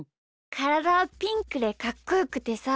からだはピンクでかっこよくてさ。